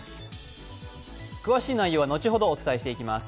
詳しい内容は後ほどお伝えしていきます。